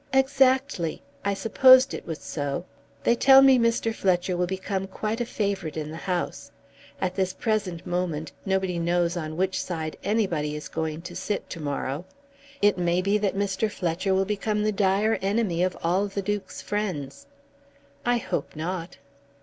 "Exactly. I supposed it was so. They tell me Mr. Fletcher will become quite a favourite in the House. At this present moment nobody knows on which side anybody is going to sit to morrow. It may be that Mr. Fletcher will become the dire enemy of all the Duke's friends." "I hope not."